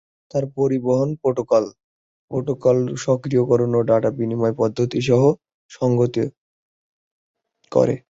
তারা পরিবহন protocol, protocol সক্রিয়করণ এবং ডাটা-বিনিময় পদ্ধতি সহ সংজ্ঞায়িত করে।